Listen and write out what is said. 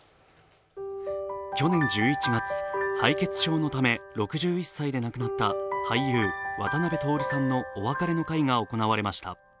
去年１１月、敗血症のため６１歳で亡くなった俳優・渡辺徹さんのお別れの会が行われました。